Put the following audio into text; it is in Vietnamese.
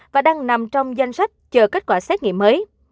và đang nằm trong danh sách chờ kết quả xét nghiệm mới